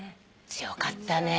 強かったね。